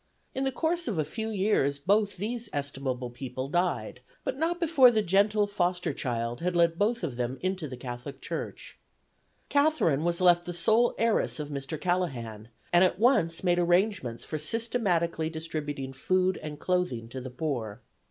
In the course of a few years both these estimable people died, but not before the gentle foster child had led both of them into the Catholic Church. Catherine was left the sole heiress of Mr. Callahan, and at once made arrangements for systematically distributing food and clothing to the poor.